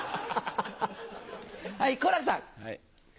はい、好楽さん。